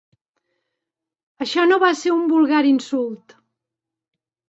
Això no va ser un vulgar insult.